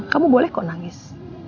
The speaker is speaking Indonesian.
kamu boleh kok nangis